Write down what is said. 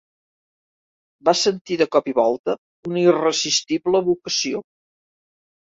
Va sentir de cop i volta una irresistible vocació